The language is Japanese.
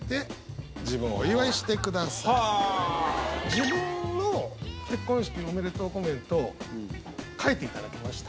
自分の結婚式おめでとうコメント書いていただけました？